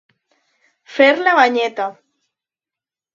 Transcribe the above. Fer la banyeta.